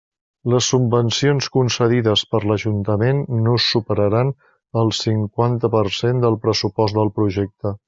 Les subvencions concedides per l'Ajuntament no superaran el cinquanta per cent del pressupost del projecte.